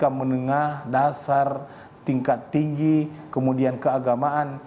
tingkat menengah dasar tingkat tinggi kemudian keagamaan